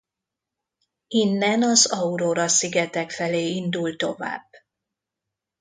Innen az Aurora szigetek felé indul tovább.